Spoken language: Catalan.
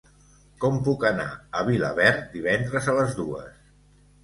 Com puc anar a Vilaverd divendres a les dues?